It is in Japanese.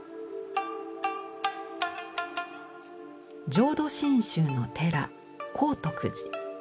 浄土真宗の寺光徳寺。